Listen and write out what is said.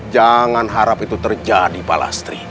jangan harap itu terjadi pak lastri